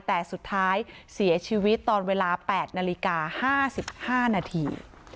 แต่สุดท้ายเสียชีวิตตอนเวลา๘นาฬิกา๕๕นาที